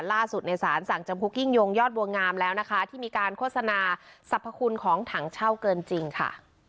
ล่าสุดในสารสั่งจำคุกยิ่งยงยอดบัวงามแล้วนะคะที่มีการโฆษณาสรรพคุณของถังเช่าเกินจริงค่ะ